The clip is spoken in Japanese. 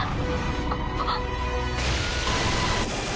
あっ。